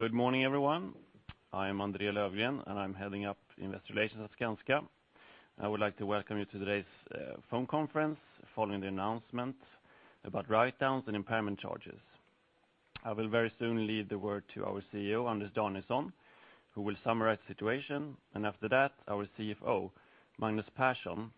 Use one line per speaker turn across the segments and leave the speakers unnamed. Good morning, everyone. I am André Löfgren, and I'm heading up Investor Relations at Skanska. I would like to welcome you to today's phone conference following the announcement about writedowns and impairment charges. I will very soon leave the word to our CEO, Anders Danielsson, who will summarize the situation, and after that, our CFO, Magnus Persson.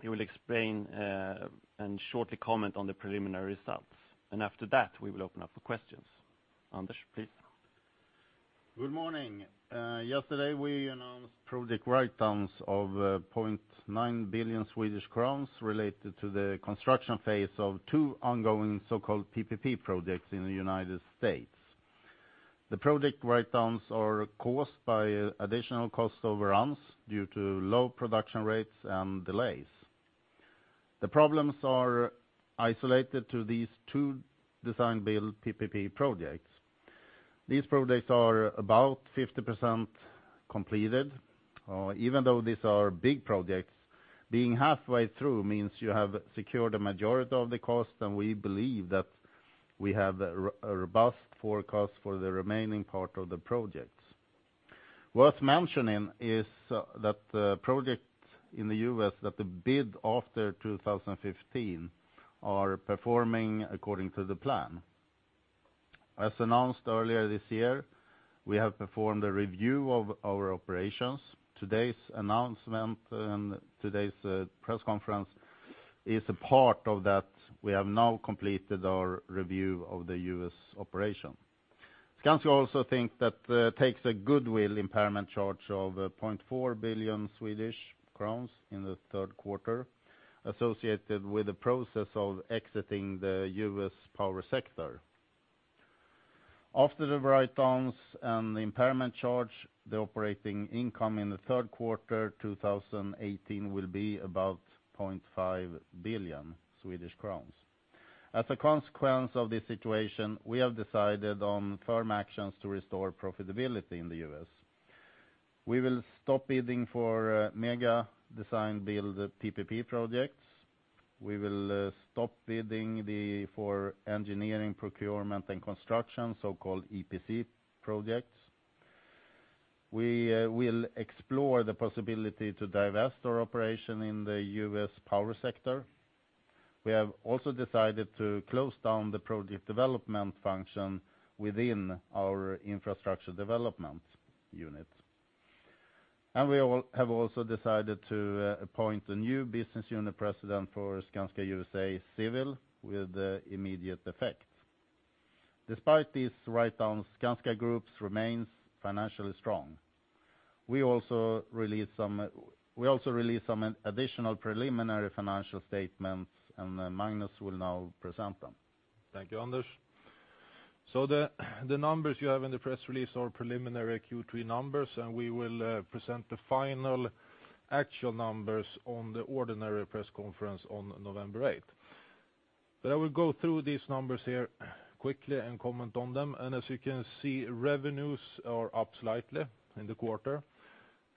He will explain and shortly comment on the preliminary results, and after that, we will open up for questions. Anders, please.
Good morning. Yesterday, we announced project writedowns of 0.9 billion Swedish crowns related to the construction phase of 2 ongoing so-called PPP projects in the United States. The project writedowns are caused by additional cost overruns due to low production rates and delays. The problems are isolated to these 2 design-build PPP projects. These projects are about 50% completed. Even though these are big projects, being halfway through means you have secured a majority of the cost, and we believe that we have a robust forecast for the remaining part of the projects. Worth mentioning is that the projects in the U.S. that the bid after 2015 are performing according to the plan. As announced earlier this year, we have performed a review of our operations. Today's announcement and today's press conference is a part of that. We have now completed our review of the U.S. operation. Skanska also think that takes a goodwill impairment charge of 0.4 billion Swedish crowns in the third quarter, associated with the process of exiting the U.S. power sector. After the writedowns and the impairment charge, the operating income in the third quarter, 2018, will be about 0.5 billion Swedish crowns. As a consequence of this situation, we have decided on firm actions to restore profitability in the U.S. We will stop bidding for mega design-build PPP projects. We will stop bidding for engineering, procurement, and construction, so-called EPC projects. We will explore the possibility to divest our operation in the U.S. power sector. We have also decided to close down the project development function within our Infrastructure Development unit. And we all have also decided to appoint a new business unit president for Skanska USA Civil with immediate effect. Despite these writedowns, Skanska Group remains financially strong. We also released some additional preliminary financial statements, and Magnus will now present them.
Thank you, Anders. So the numbers you have in the press release are preliminary Q3 numbers, and we will present the final actual numbers on the ordinary press conference on November 8. But I will go through these numbers here quickly and comment on them, and as you can see, revenues are up slightly in the quarter.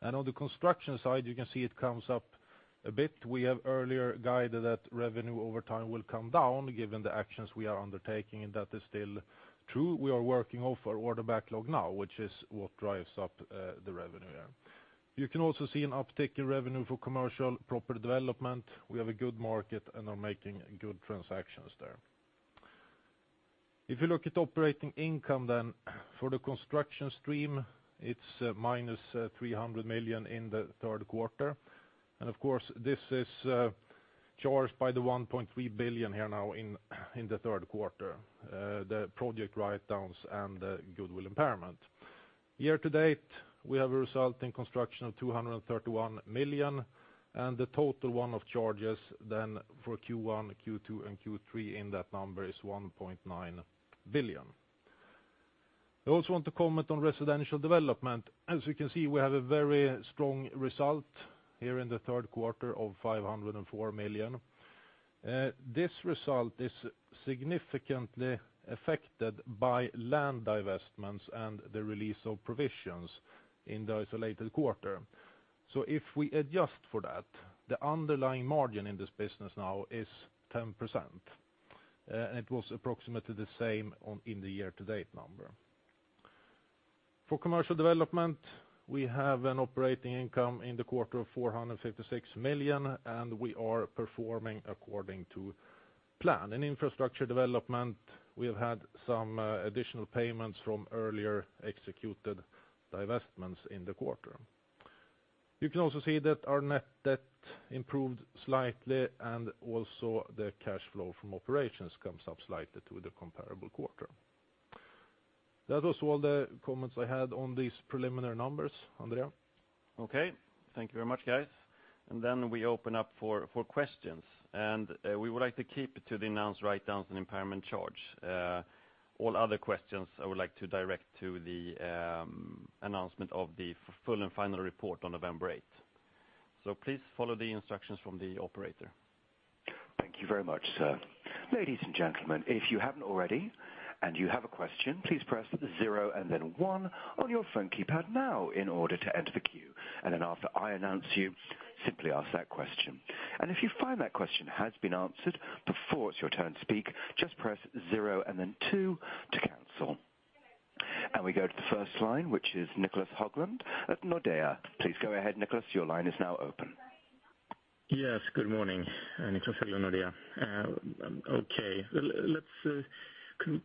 On the construction side, you can see it comes up a bit. We have earlier guided that revenue over time will come down, given the actions we are undertaking, and that is still true. We are working off our order backlog now, which is what drives up the revenue here. You can also see an uptick in revenue for Commercial Property Development. We have a good market and are making good transactions there. If you look at operating income then, for the construction stream, it's -300 million in the third quarter. And of course, this is charged by the 1.3 billion here now in the third quarter, the project writedowns and the goodwill impairment. Year to date, we have a result in construction of 231 million, and the total one-off charges then for Q1, Q2, and Q3 in that number is 1.9 billion. I also want to comment on Residential Development. As you can see, we have a very strong result here in the third quarter of 504 million. This result is significantly affected by land divestments and the release of provisions in the isolated quarter. So if we adjust for that, the underlying margin in this business now is 10%, and it was approximately the same on, in the year-to-date number. For commercial development, we have an operating income in the quarter of 456 million, and we are performing according to plan and Infrastructure Development. We have had some additional payments from earlier executed divestments in the quarter. You can also see that our net debt improved slightly, and also, the cash flow from operations comes up slightly to the comparable quarter. That was all the comments I had on these preliminary numbers. André?
Okay. Thank you very much, guys. And then we open up for questions. And we would like to keep to the announced writedowns and impairment charge. All other questions, I would like to direct to the announcement of the full and final report on November 8. So please follow the instructions from the operator.
Thank you very much, sir. Ladies and gentlemen, if you haven't already and you have a question, please press zero and then one on your phone keypad now in order to enter the queue. Then after I announce you, simply ask that question. If you find that question has been answered before it's your turn to speak, just press zero and then two to cancel. We go to the first line, which is Niclas Höglund at Nordea. Please go ahead, Niclas. Your line is now open.
Yes, good morning, Niclas Höglund, Nordea. Okay, let's,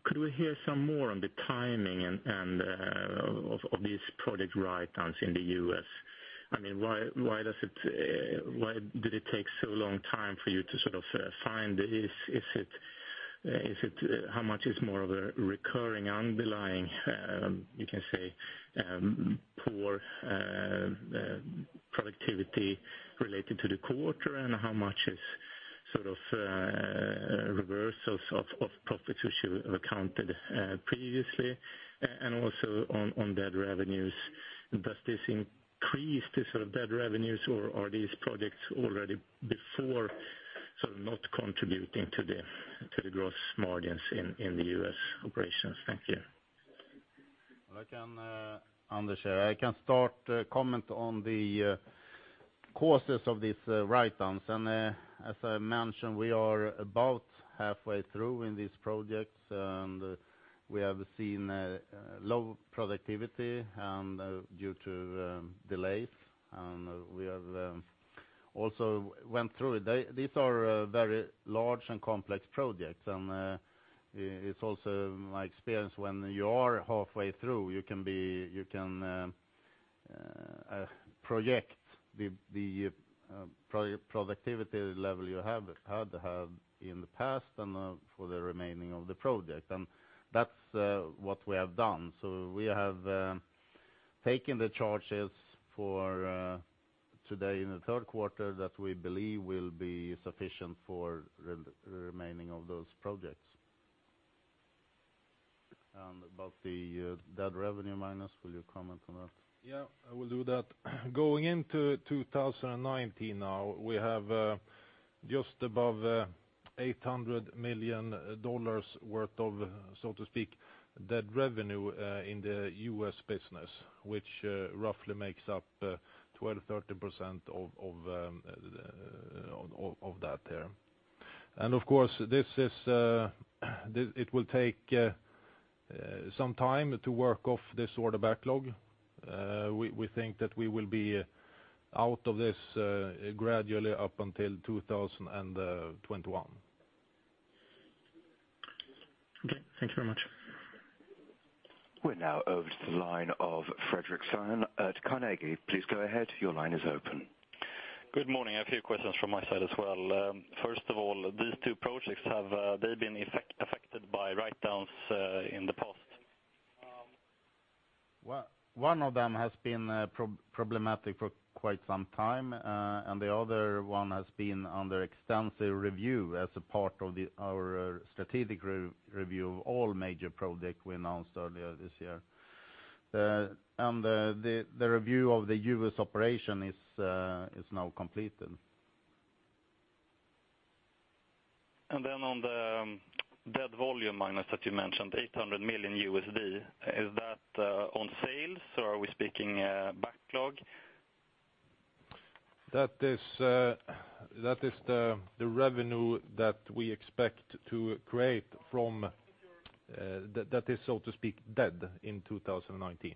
could we hear some more on the timing and of these project writedowns in the U.S.? I mean, why did it take so long for you to sort of find this? Is it, is it, how much is more of a recurring, underlying, you can say, poor productivity related to the quarter? And how much is sort of reversals of profits which you have accounted previously? Also, on dead revenues, does this increase the sort of dead revenues, or are these projects already before sort of not contributing to the gross margins in the U.S. operations? Thank you.
Anders here, I can start comment on the causes of these write-downs. As I mentioned, we are about halfway through in these projects, and we have seen low productivity and due to delays, and we have also went through it. These are very large and complex projects, and it's also my experience when you are halfway through, you can project the productivity level you have had in the past and for the remaining of the project. That's what we have done. So we have taken the charges for today in the third quarter that we believe will be sufficient for the remaining of those projects.
About the dead revenue minus, will you comment on that?
Yeah, I will do that. Going into 2019 now, we have just above $800 million worth of, so to speak, dead revenue in the US business, which roughly makes up 12%-13% of that there. And of course, this is this. It will take some time to work off this sort of backlog. We think that we will be out of this gradually up until 2021.
Okay, thank you very much.
We're now over to the line of Fredrik Svan at Carnegie. Please go ahead. Your line is open.
Good morning. A few questions from my side as well. First of all, these two projects, have they been affected by write-downs in the past?
Well, one of them has been problematic for quite some time, and the other one has been under extensive review as a part of our strategic review of all major projects we announced earlier this year. The review of the U.S. operation is now completed.
And then on the dead volume minus that you mentioned, $800 million, is that on sales, or are we speaking backlog?
That is the revenue that we expect to create from, so to speak, dead in 2019.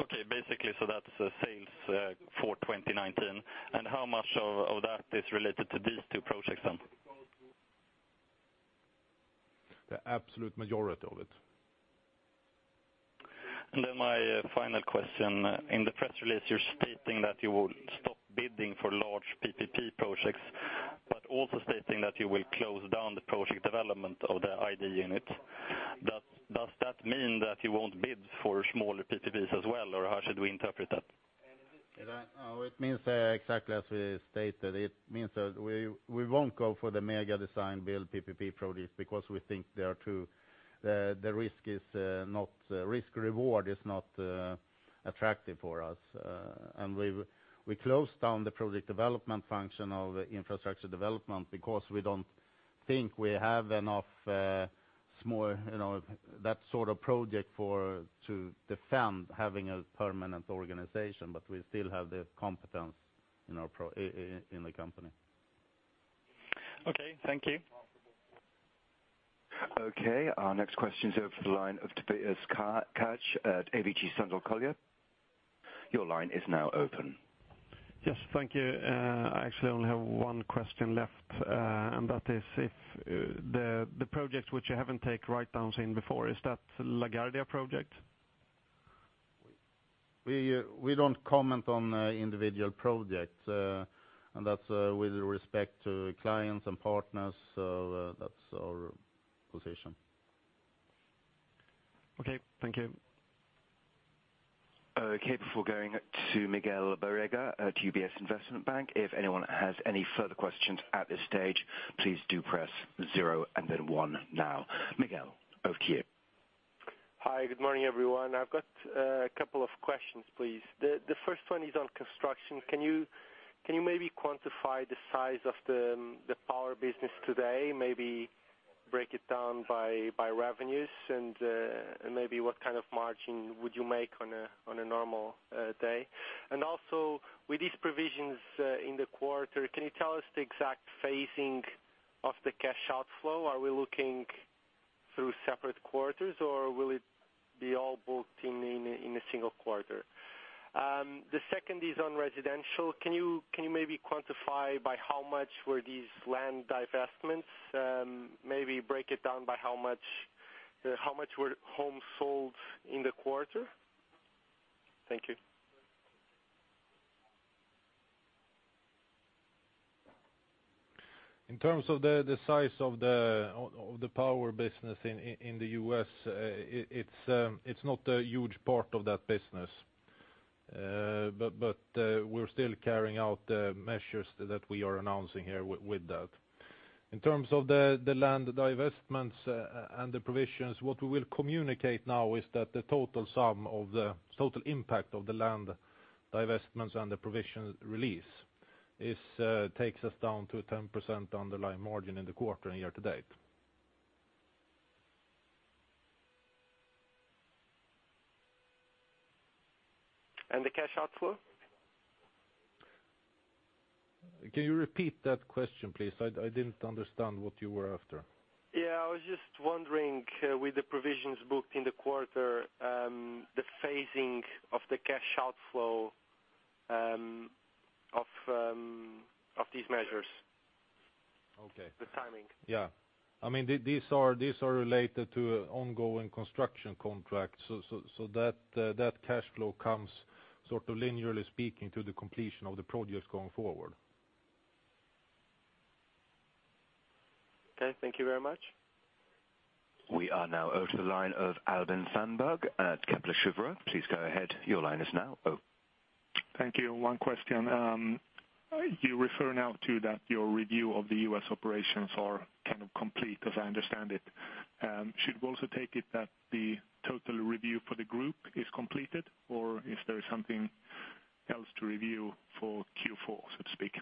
Okay, basically, so that's the sales for 2019. And how much of that is related to these two projects then?
The absolute majority of it.
Then my final question. In the press release, you're stating that you will stop bidding for large PPP projects, but also stating that you will close down the project development of the ID unit. Does that mean that you won't bid for smaller PPPs as well, or how should we interpret that?
It means exactly as we stated. It means that we won't go for the mega design-build PPP projects because we think they are too, the risk is, not, risk reward is not attractive for us. We closed down the project development function of Infrastructure Development because we don't think we have enough, you know, that sort of project to defend having a permanent organization. We still have the competence in our pro- in the company.
Okay, thank you.
Okay, our next question is over the line of Tobias Gudbjerg at ABG Sundal Collier. Your line is now open.
Yes, thank you. I actually only have one question left, and that is if the projects which you haven't take write-downs in before, is that LaGuardia project?
We don't comment on individual projects, and that's with respect to clients and partners, so that's our position.
Okay, thank you.
Okay, before going to Miguel Borrega at UBS Investment Bank, if anyone has any further questions at this stage, please do press zero and then one now. Miguel, over to you.
Hi, good morning, everyone. I've got a couple of questions, please. The first one is on construction. Can you maybe quantify the size of the power business today? Maybe break it down by revenues, and maybe what kind of margin would you make on a normal day? And also, with these provisions in the quarter, can you tell us the exact phasing of the cash outflow? Are we looking through separate quarters, or will it be all booked in a single quarter? The second is on residential. Can you maybe quantify by how much were these land divestments, maybe break it down by how much were homes sold in the quarter? Thank you.
In terms of the size of the power business in the U.S., it's not a huge part of that business. But we're still carrying out measures that we are announcing here with that. In terms of the land divestments and the provisions, what we will communicate now is that the total sum of the total impact of the land divestments and the provision release is takes us down to a 10% underlying margin in the quarter and year to date.
And the cash outflow?
Can you repeat that question, please? I didn't understand what you were after.
Yeah, I was just wondering, with the provisions booked in the quarter, the phasing of the cash outflow of these measures?
Okay.
The timing.
Yeah. I mean, these are related to ongoing construction contracts, so that cash flow comes sort of linearly speaking to the completion of the projects going forward.
Okay, thank you very much.
We are now over to the line of Albin Sandberg at Kepler Cheuvreux. Please go ahead. Your line is now open.
Thank you. One question. You refer now to that your review of the U.S. operations are kind of complete, as I understand it. Should we also take it that the total review for the group is completed, or is there something else to review for Q4, so to speak?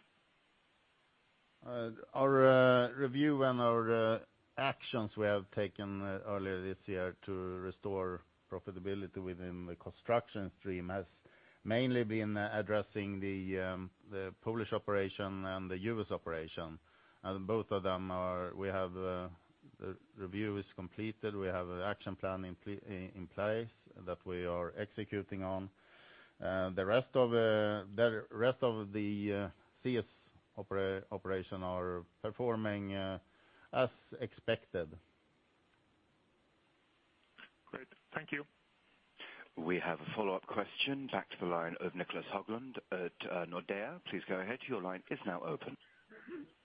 Our review and our actions we have taken earlier this year to restore profitability within the construction stream has mainly been addressing the Polish operation and the US operation. And both of them are. We have the review is completed. We have an action plan in place that we are executing on. The rest of the CS operation are performing as expected.
Great, thank you.
We have a follow-up question. Back to the line of Niclas Höglund at Nordea. Please go ahead. Your line is now open.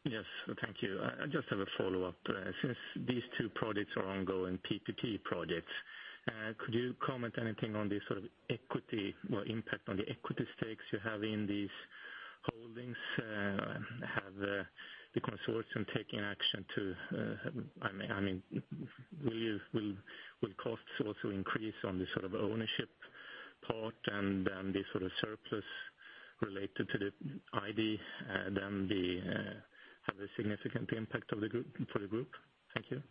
Yes, thank you. I just have a follow-up. Since these two projects are ongoing PPP projects, could you comment anything on the sort of equity or impact on the equity stakes you have in these holdings? Have the consortium taken action to... I mean, will costs also increase on the sort of ownership part, and then the sort of surplus related to the ID, then have a significant impact on the group, for the group? Thank you.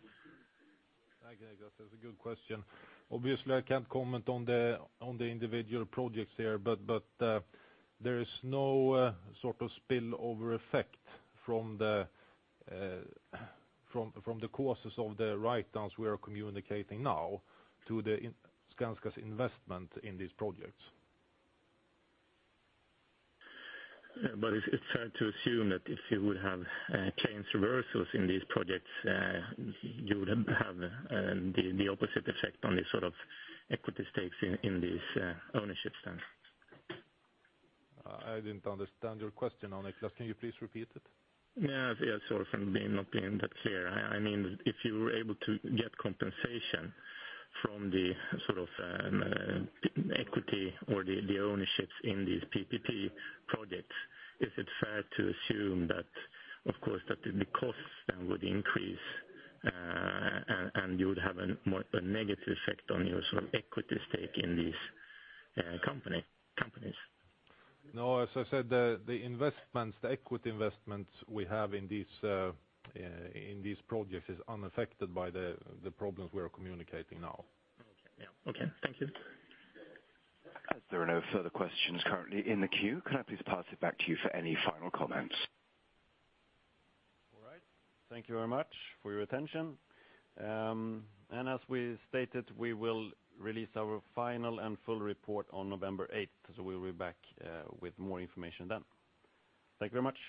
Thank you, Niclas. That's a good question. Obviously, I can't comment on the individual projects there, but there is no sort of spillover effect from the causes of the writedowns we are communicating now to the Skanska's investment in these projects.
But is it fair to assume that if you would have claims reversals in these projects, you would have the opposite effect on the sort of equity stakes in these ownerships then?
I didn't understand your question, Niclas. Can you please repeat it?
Yeah, yeah, sorry for me not being that clear. I mean, if you were able to get compensation from the sort of equity or the ownerships in these PPP projects, is it fair to assume that, of course, the costs then would increase, and you would have a more negative effect on your sort of equity stake in these companies?
No, as I said, the investments, the equity investments we have in these projects is unaffected by the problems we are communicating now.
Okay, yeah. Okay, thank you.
As there are no further questions currently in the queue, can I please pass it back to you for any final comments?
All right. Thank you very much for your attention. As we stated, we will release our final and full report on November 8. We will be back with more information then. Thank you very much!